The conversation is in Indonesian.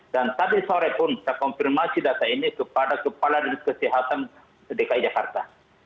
dan tadi sore pun saya konfirmasi data ini kepada kepala kesehatan dki jakarta